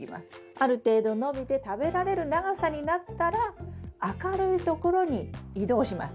ある程度伸びて食べられる長さになったら明るいところに移動します。